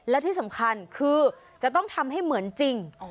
และที่สำคัญคือจะต้องทำให้เหมือนจริง